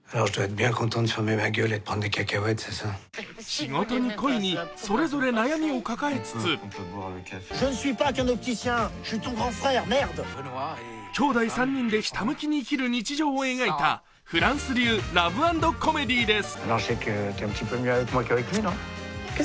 仕事に恋に、それぞれ悩みを抱えつつきょうだい３人で、ひたむきに生きる日常を描いたフランス流ラブ＆コメディーです。